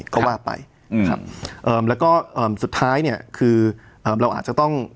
ก็ว่าไปอืมครับเอ่อแล้วก็เอ่อสุดท้ายเนี่ยคือเอ่อเราอาจจะต้อง